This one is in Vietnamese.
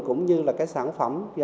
cũng như là cái sản phẩm